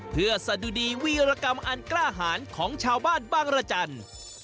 เพื่อสะดุดีวีรกรรมอันกล้าหารของชาวบ้านบางรจันทร์